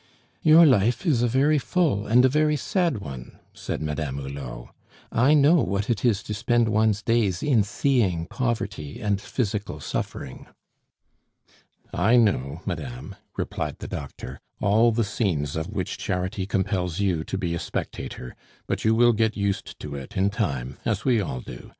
"You life is a very full and a very sad one," said Madame Hulot. "I know what it is to spend one's days in seeing poverty and physical suffering." "I know, madame," replied the doctor, "all the scenes of which charity compels you to be a spectator; but you will get used to it in time, as we all do.